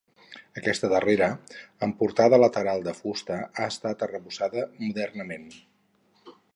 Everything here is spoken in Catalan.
Aquesta darrera, amb portada lateral de fusta, ha estat arrebossada modernament.